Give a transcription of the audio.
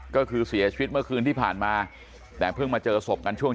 ก็คือเสียชีวิตเมื่อคืนที่ผ่านมาแต่เพิ่งมาเจอศพกันช่วง